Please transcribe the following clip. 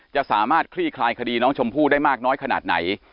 จะสามารถคลี่คลายคดีน้องชมพู่ได้มากน้อยขนาดไหน